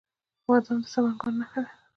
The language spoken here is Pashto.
بادام د سمنګان نښه ده.